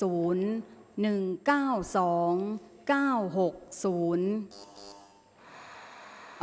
ออกรางวัลที่๖